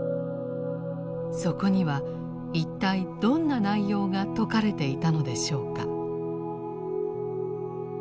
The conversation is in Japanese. そこには一体どんな内容が説かれていたのでしょうか。